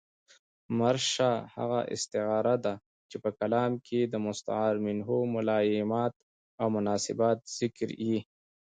مرشحه هغه استعاره ده، چي په کلام کښي د مستعارمنه ملایمات اومناسبات ذکر يي.